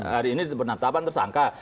hari ini penantapan tersangka